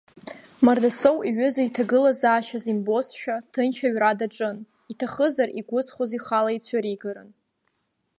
Мардасоу иҩыза иҭагылазаашьаз имбозшәа, ҭынч аҩра даҿын, иҭахызар игәыҵхоз ихала ицәыригарын.